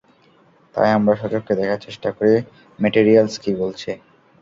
তাই আমরা সচক্ষে দেখার চেষ্টা করি ম্যাটেরিয়ালস কী বলছে।